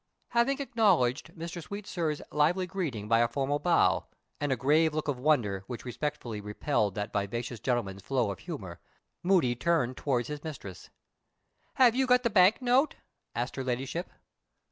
Having acknowledged Mr. Sweetsir's lively greeting by a formal bow, and a grave look of wonder which respectfully repelled that vivacious gentleman's flow of humor, Moody turned towards his mistress. "Have you got the bank note?" asked her Ladyship.